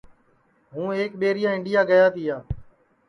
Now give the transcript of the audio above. ہوں ایک ٻیریا انڈیا گیا تیا